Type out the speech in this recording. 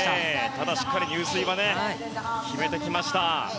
ただしっかり入水は決めてきました。